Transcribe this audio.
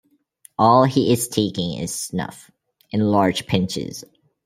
All he is taking is snuff — in large pinches.